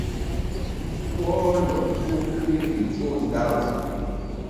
Wɔ́ɔ́lɔ̀ wókpéélì ó ndáwò.